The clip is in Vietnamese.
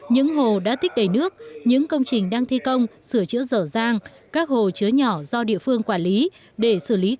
những hồ đã tích đầy nước những công trình đang thi công sửa chữa rở rang các hồ chứa nhỏ do địa phương quản lý